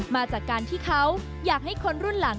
มาจากการที่เขาอยากให้คนรุ่นหลัง